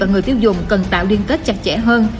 người tiêu dùng cần tạo liên kết chặt chẽ hơn